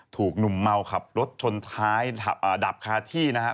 ถูกหนุ่มเมาขับรถชนท้ายดับคาที่นะครับ